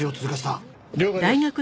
了解です。